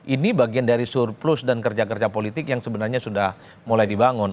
ini bagian dari surplus dan kerja kerja politik yang sebenarnya sudah mulai dibangun